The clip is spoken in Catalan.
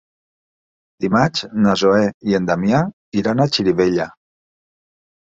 Dimarts na Zoè i en Damià iran a Xirivella.